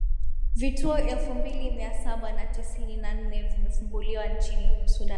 vituo elfu mbili mia saba na tisini na nne vimefunguliwa nchini sudan